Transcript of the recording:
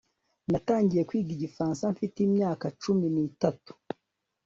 Natangiye kwiga igifaransa mfite imyaka cumi nitatu